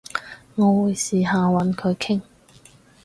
我會試下搵佢傾